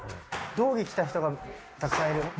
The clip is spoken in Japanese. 道着着た人がたくさんいる。